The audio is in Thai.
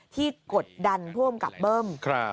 ที่กดดันพ่วงกับเบิ้ม